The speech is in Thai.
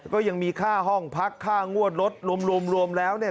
ก็ยังมีค่าห้องพักค่างวดรถรวมแล้วเนี่ย